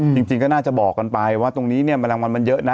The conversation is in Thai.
จริงก็น่าจะบอกกันไปว่าตรงนี้เนี่ยแมลงวันมันเยอะนะ